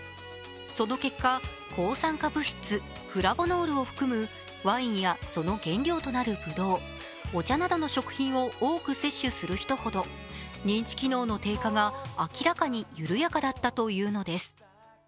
その結果、抗酸化物質フラボノールを含むワインやその原料となるぶどうお茶などの食品を多く摂取する人ほど認知機能の低下が明らかに緩やかだったというのです。